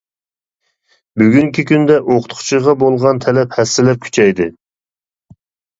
بۈگۈنكى كۈندە ئوقۇتقۇچىغا بولغان تەلەپ ھەسسىلەپ كۈچەيدى.